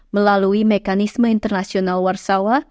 melalui mekanisme internasional warsawa